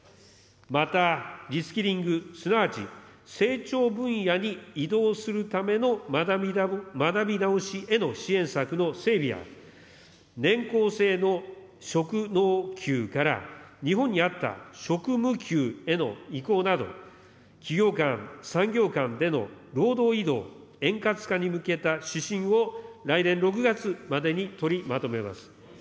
また、リスキリング、すなわち成長分野に移動するための学び直しへの支援策の整備や、年功制の職能給から日本に合った職務給への移行など、企業間、産業間での労働移動円滑化に向けた指針を、来年６月までに取りまとめます。